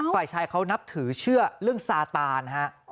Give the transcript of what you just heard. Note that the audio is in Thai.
ฝ่ายชายเขานับถือเชื่อเรื่องซาตานฮะ